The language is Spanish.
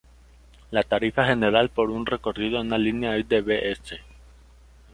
La tarifa general por un recorrido en una línea es de Bs.